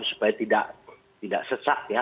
supaya tidak sesak ya